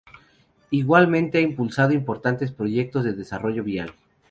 Igualmente ha impulsado importantes proyectos de desarrollo vial.